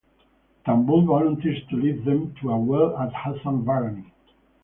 Tambul volunteers to lead them to a well at Hassan Barani.